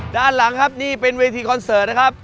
ด้านหลังครับนี่เป็นเวทีคอนเสิร์ตนะครับ